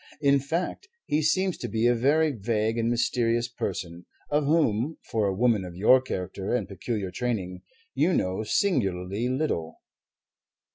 In fact, he seems to be a very vague and mysterious person, of whom, for a woman of your character and peculiar training, you know singularly little."